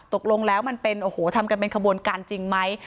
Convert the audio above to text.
ตกลงแล้วมันเป็นโอ้โหทำกันเป็นขบวนการจริงไหม